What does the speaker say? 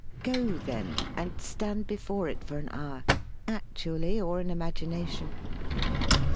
Go, then, and stand before it for an hour, actually or in imagination.